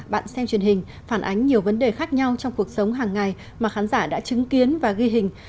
bạn xem truyền hình phản ánh nhiều vấn đề khác nhau trong cuộc sống hàng ngày mà khán giả đã chứng kiến và ghi hình